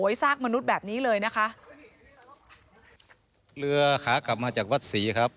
ซากมนุษย์แบบนี้เลยนะคะเรือขากลับมาจากวัดศรีครับ